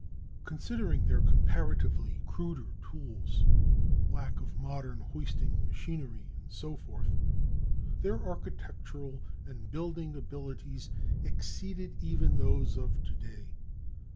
Considering their comparatively cruder tools, lack of modern hoisting machinery, and so forth, their architectural and building abilities exceeded even those of to day.